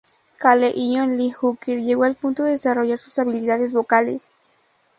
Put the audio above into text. Cale y John Lee Hooker, llegó al punto de desarrollar sus habilidades vocales.